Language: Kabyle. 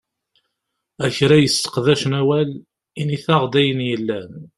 A kra yesseqdacen awal, init-aɣ-d ayen yellan!